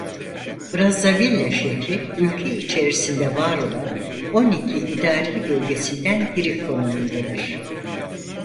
Brazzaville şehri ülke içerisinde var olan on iki idari bölgesinden biri konumundadır.